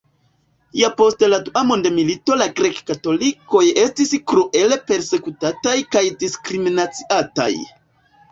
Ja post la dua mondmilito la grek-katolikoj estis kruele persekutataj kaj diskriminaciataj.